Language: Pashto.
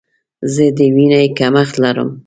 زه د ویني کمښت لرم.